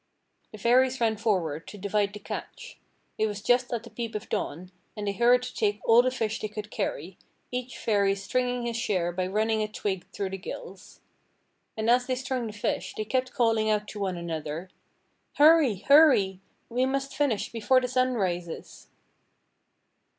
The Fairies ran forward to divide the catch. It was just at the peep of dawn, and they hurried to take all the fish they could carry, each Fairy stringing his share by running a twig through the gills. And as they strung the fish they kept calling out to one another: "Hurry! hurry! We must finish before the sun rises."